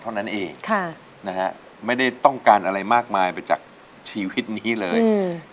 เท่านั้นเองค่ะนะฮะไม่ได้ต้องการอะไรมากมายไปจากชีวิตนี้เลยอืม